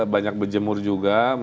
banyak berjemur juga